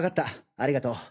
ありがとう。